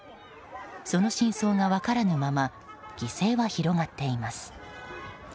その真相が分からぬまま犠牲は広がっています。